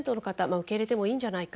受け入れてもいいんじゃないか。